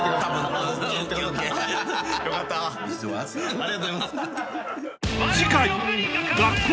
ありがとうございます。